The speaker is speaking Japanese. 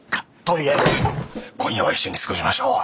とりあえず今夜は一緒に過ごしましょう。